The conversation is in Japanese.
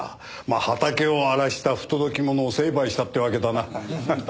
まあ畑を荒らした不届き者を成敗したってわけだな。